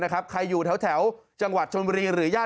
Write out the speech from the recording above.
ใช่แล้วเขาพูดได้ตอนเย็นก็นอนไม่หลับเฝ้า